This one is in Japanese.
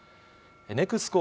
ネクスコ